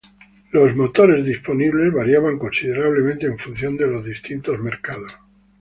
Los motores disponibles variaban considerablemente en función de los distintos mercados.